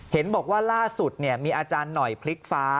เห็นบอกว่าล่าสุดมีอาจารย์หน่อยพลิกฟ้า